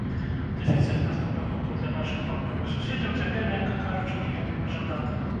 Дэфіцыт нафтапрадуктаў для нашых паўднёвых суседзяў цяпер, мякка кажучы, не вельмі пажаданы.